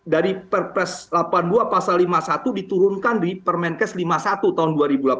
dari perpres delapan puluh dua pasal lima puluh satu diturunkan di permenkes lima puluh satu tahun dua ribu delapan belas